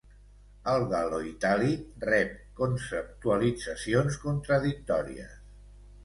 El gal·loitàlic rep conceptualitzacions contradictòries.